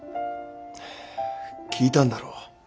聞いたんだろ？